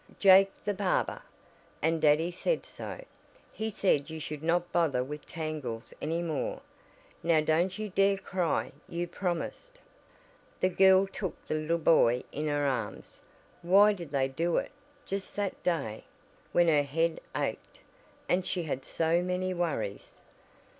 "Jake, the barber. And daddy said so. He said you should not bother with tangles any more. Now don't you dare cry. You promised." The girl took the little boy in her arms. Why did they do it just that day, when her head ached, and she had so many worries?